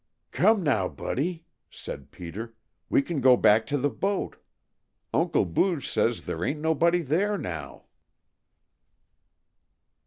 "Come now, Buddy," said Peter, "we can go back to the boat. Uncle Booge says there ain't nobody there now."